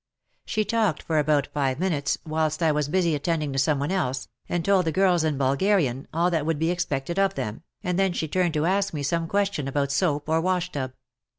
She talked for about five minutes, whilst I was busy attending to somebody else, and told the girls, in Bulgarian, all that would be expected of them, and then she turned to ask me some question about soap or washtub.